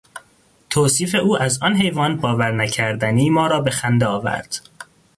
توصیف او از آن حیوان باور نکردنی ما را به خنده آورد.